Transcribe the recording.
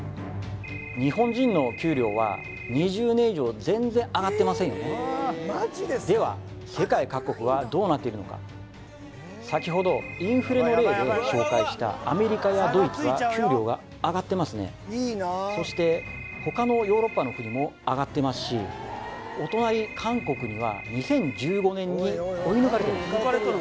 日本人の給料は２０年以上全然上がってませんよねでは世界各国はどうなっているのか先ほどインフレの例で紹介したアメリカやドイツは給料が上がってますねそして他のヨーロッパの国も上がってますしお隣韓国には２０１５年に追い抜かれてます